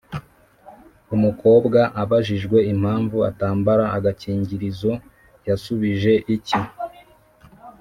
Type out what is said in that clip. umukobwa abajijwe impamvu atambara agakingirizo yashubije iki?